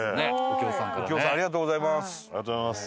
右京さんありがとうございます。